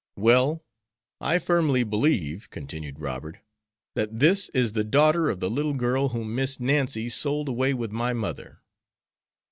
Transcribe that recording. "Well, I firmly believe," continued Robert, "that this is the daughter of the little girl whom Miss Nancy sold away with my mother."